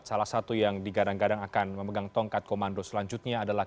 salah satu yang digadang gadang akan memegang tongkat komando selanjutnya adalah